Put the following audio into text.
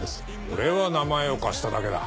俺は名前を貸しただけだ。